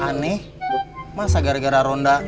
aneh masa gara gara ronda